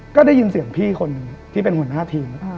ก็ได้ยินเสียงพี่คนที่เป็นหัวหน้าทีม